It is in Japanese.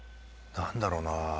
何だろうな。